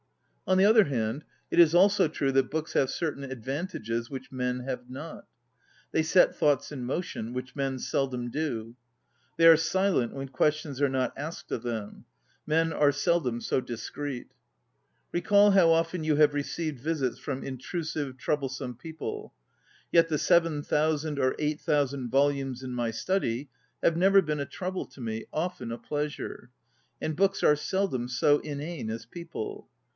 On the other hand, it is also true that books have certain advantages which men have not. They set thoughts in motion, ŌĆö which men seldom do. They are silent when questions are not asked of them; men are seldom so dis creet. Recall how often you have received visits from intrusive, trouble some people! Yet the seven thou sand or eight thousand volumes in my study have never been a trouble to me, often a pleasure. And books are seldom so inane as people.